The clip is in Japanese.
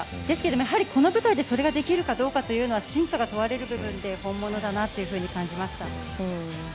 ですけど、やはりこの舞台でそれができるかどうかというのは真価が問われる部分で本物だなと感じました。